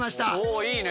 おいいね。